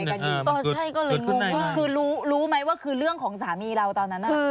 ก็ใช่ก็เลยงงว่าคือรู้ไหมว่าคือเรื่องของสามีเราตอนนั้น